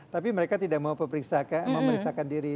tapi mereka tidak mau memeriksakan diri